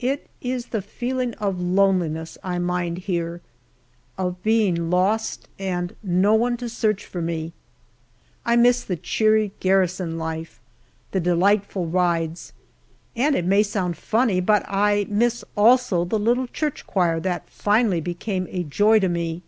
It is the feeling of loneliness I mind here of being lost and no one to search for me. I miss the cheery garrison life the delightful rides, and it may sound funny, but I miss also the little church choir that finally became a joy to me.